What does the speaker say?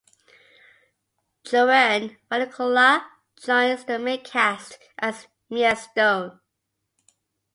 Joanne Vannicola joins the main cast as Mia Stone.